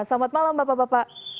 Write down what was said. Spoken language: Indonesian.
selamat malam bapak bapak